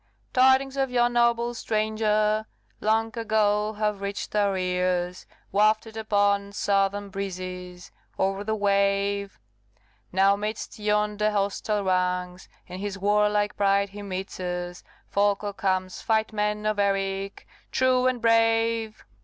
Tidings of yon noble stranger Long ago have reach'd our ears, Wafted upon southern breezes, O'er the wave. Now midst yonder hostile ranks, In his warlike pride he meets us, Folko comes! Fight, men of Eric, True and brave!"